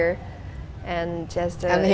dan di sini kamu berada